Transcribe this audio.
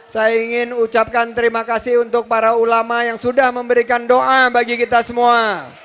saya ingin ucapkan terima kasih untuk para ulama yang sudah memberikan doa bagi kita semua